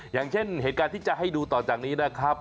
อย่างเช่นเหตุการณ์ที่จะให้ดูต่อจากนี้นะครับ